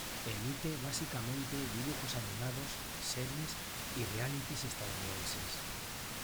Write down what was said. Emite básicamente dibujos animados, series y realities estadounidenses.